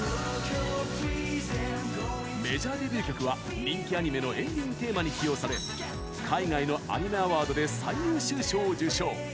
メジャーデビュー曲は人気アニメのエンディングテーマに起用され海外のアニメアワードで最優秀賞を受賞！